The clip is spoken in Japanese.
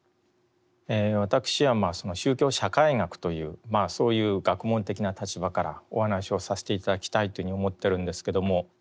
私は宗教社会学というそういう学問的な立場からお話をさせて頂きたいというふうに思っているんですけども。